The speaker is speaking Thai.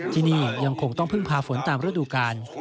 ที่นี่ยังคงต้องพึ่งพาฝนตามฤดูกาล